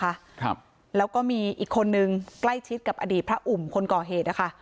ครับแล้วก็มีอีกคนนึงใกล้ชิดกับอดีตพระอุ่มคนก่อเหตุนะคะ